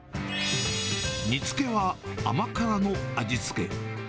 煮付けは甘辛の味付け。